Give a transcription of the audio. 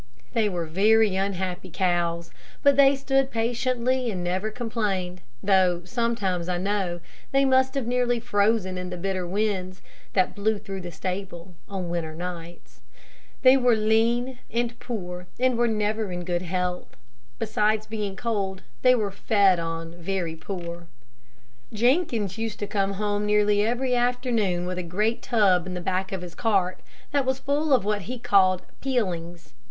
They were very unhappy cows, but they stood patiently and never complained, though sometimes I know they must have nearly frozen in the bitter winds that blew through the stable on winter nights. They were lean and poor, and were never in good health. Besides being cold they were fed on very poor food. Jenkins used to come home nearly every afternoon with a great tub in the back of his cart that was full of what he called "peelings."